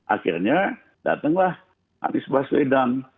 akhirnya datanglah anies baswedan